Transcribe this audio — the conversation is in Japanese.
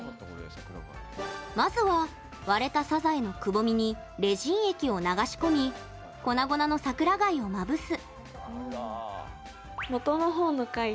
まずは割れたサザエのくぼみにレジン液を流し込み粉々の桜貝をまぶす。